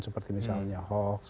seperti misalnya hoax